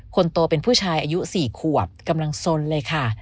คนโตเป็นผู้ชายอายุ๔ขวบกำลังสนเลยค่ะ